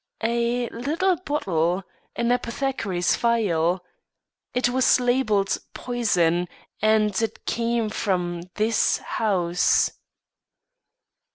"A little bottle an apothecary's phial. It was labelled 'Poison,' and it came from this house."